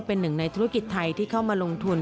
เป็นหนึ่งในธุรกิจไทยที่เข้ามาลงทุน